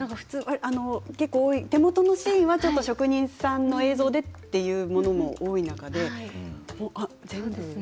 手元のシーンは職人さんの映像でというのも多い中で全部。